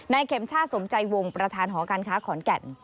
เข็มชาติสมใจวงประธานหอการค้าขอนแก่น